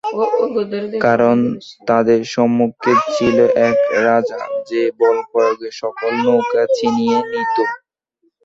কারণ, তাদের সম্মুখে ছিল এক রাজা যে বলপ্রয়োগে সকল নৌকা ছিনিয়ে নিত।